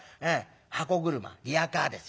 箱車リヤカーですよ